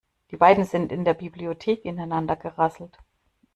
Die beiden sind in der Bibliothek ineinander gerasselt.